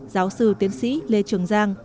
giáo sư tiến sĩ lê trường giang